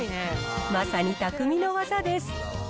まさにたくみの技です。